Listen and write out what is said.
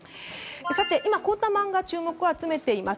今、こういった漫画が注目を集めています。